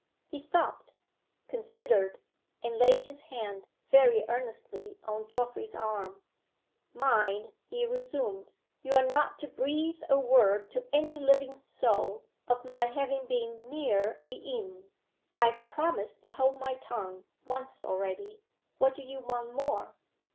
He stopped considered and laid his hand very earnestly on Geoffrey's arm. "Mind!" he resumed. "You are not to breathe a word to any living soul, of my having been near the inn!" "I've promised to hold my tongue, once already. What do you want more?"